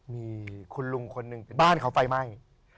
มีคุณลุงคนหนึ่งเป็นบ้านเขาไฟไหม้